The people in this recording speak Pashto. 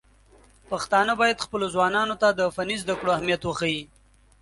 پښتانه بايد خپلو ځوانانو ته د فني زده کړو اهميت وښيي.